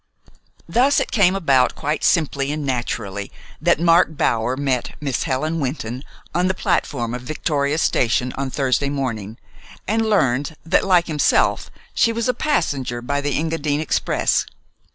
Thus it came about, quite simply and naturally, that Mark Bower met Miss Helen Wynton on the platform of Victoria Station on Thursday morning, and learned that, like himself, she was a passenger by the Engadine Express.